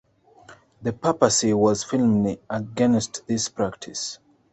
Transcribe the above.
The Papacy was firmly against this practice.